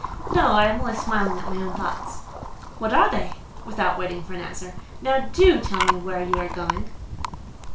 "No—I am only smiling at my own thoughts." "What are they?" (Without waiting for an answer)—"Now, do tell me where you are going."